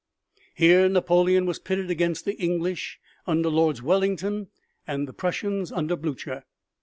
Here Napoleon was pitted against the English under Lord Wellington and the Prussians under Blucher.